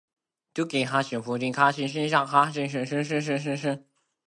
當時想不會一直這樣吧！